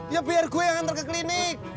ya biar gue yang ngantar ke klinik